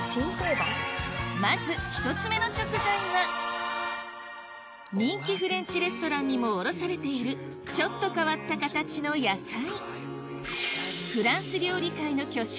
まず１つ目の食材は人気フレンチレストランにも卸されているちょっと変わった形の野菜フランス料理界の巨匠